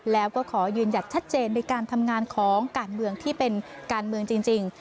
แล้วก็ขอยืนหยัดชัดเจนในการทำงานของการเมืองที่เป็นการเมืองจริง